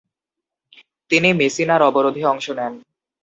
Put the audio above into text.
তিনি মেসিনার অবরোধে অংশ নেন।